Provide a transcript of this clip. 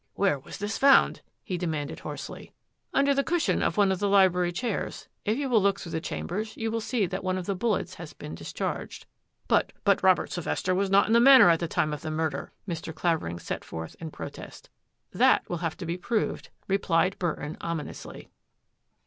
" Where was this found? " he demanded hoarsely. " Under the cushion of one of the library chairs. If you will look through the chambers, you will see that one of the bullets has been discharged." " But — but Robert Sylvester was not in the Manor at the time of the murder," Mr. Clavering set forth in protest. " That will have to be proved," replied Burton ominously.